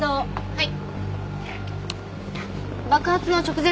はい。